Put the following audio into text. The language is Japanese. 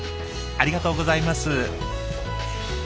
ありがとうございます。